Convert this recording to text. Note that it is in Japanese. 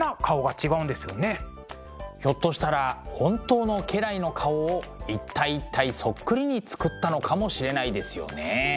ひょっとしたら本当の家来の顔を一体一体そっくりに作ったのかもしれないですよね。